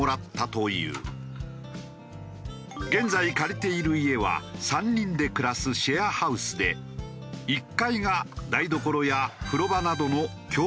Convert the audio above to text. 現在借りている家は３人で暮らすシェアハウスで１階が台所や風呂場などの共同スペース。